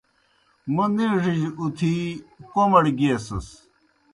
موْ نِیڙِجیْ اُتِھی کوْمَڑ گیسِس۔